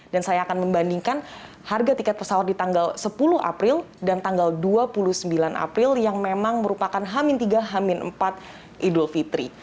dan saya akan membandingkan harga tiket pesawat di tanggal sepuluh april dan tanggal dua puluh sembilan april yang memang merupakan hamin tiga hamin empat idul fitri